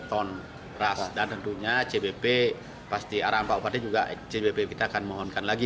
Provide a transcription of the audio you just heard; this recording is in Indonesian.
tiga puluh tiga ton beras dan tentunya cbp pasti arah empat obatnya juga cbp kita akan mohonkan lagi